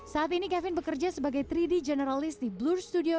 saat ini kevin bekerja sebagai tiga d generalist di blue studio